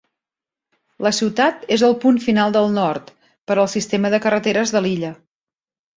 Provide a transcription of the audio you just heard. La ciutat és el punt final del nord per al sistema de carreteres de l'illa.